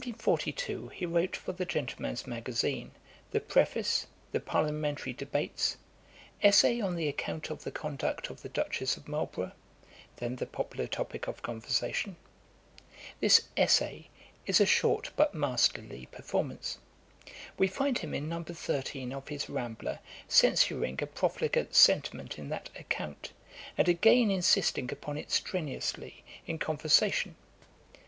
In 1742 he wrote for the Gentleman's Magazine the 'Preface,[dagger] the 'Parliamentary Debates,'[*] 'Essay on the Account of the conduct of the Duchess of Marlborough,'[*] then the popular topick of conversation. This 'Essay' is a short but masterly performance. We find him in No. 13 of his Rambler, censuring a profligate sentiment in that 'Account;' and again insisting upon it strenuously in conversation.